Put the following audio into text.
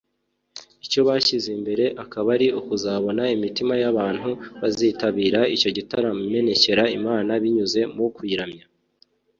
Icyo bashyize imbere akaba ari ukuzabona imitima y’abantu bazitabira icyo gitaramo imenekera Imana binyuze mu kuyiramya